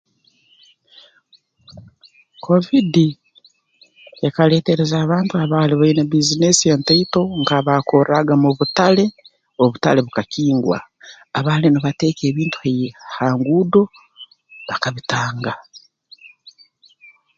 Kovidi ekaleetereza abantu abaali baine bbizinesi entaito nk'abakorraaga mu butale obutale bukakingwa abaali nibateeka ebintu hai ha nguudo bakabitanga